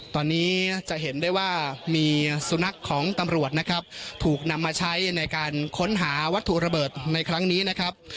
ตอนนี้จะเห็นได้ว่ามีสุนัขของตำรวจนะครับถูกนำมาใช้ในการค้นหาวัตถุระเบิดในครั้งนี้นะครับ